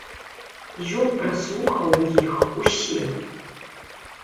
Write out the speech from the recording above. Ён праслухаў іх усе!